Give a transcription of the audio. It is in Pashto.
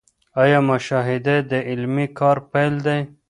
آيا مشاهده د علمي کار پيل دی؟